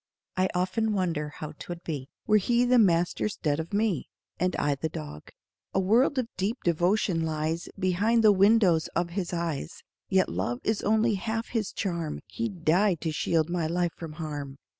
I often wonder how 'twould be Were he the master 'stead of me And I the dog. A world of deep devotion lies Behind the windows of his eyes; Yet love is only half his charm He'd die to shield my life from harm.